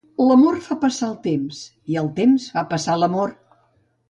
L'amor fa passar el temps i el temps fa passar l'amor.